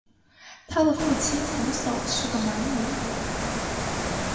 他的父亲瞽叟是个盲人。